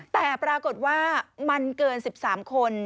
แต่ปรากฏว่ามันเกิน๑๓คน